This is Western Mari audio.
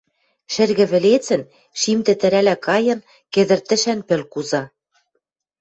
Шӹргӹ вӹлецӹн, шим тӹтӹрӓлӓ кайын, кӹдӹртӹшӓн пӹл куза